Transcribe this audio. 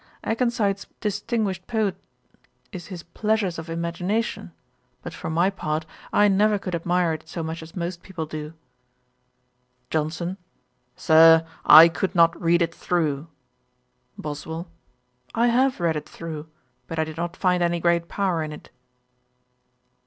'Akenside's distinguished poem is his Pleasures of Imagination: but for my part, I never could admire it so much as most people do.' JOHNSON. 'Sir, I could not read it through.' BOSWELL. 'I have read it through; but I did not find any great power in it.'